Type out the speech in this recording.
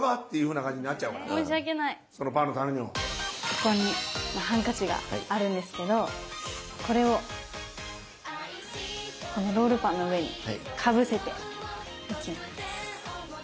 ここにハンカチがあるんですけどこれをこのロールパンの上にかぶせていきます。